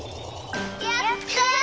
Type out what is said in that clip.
やった！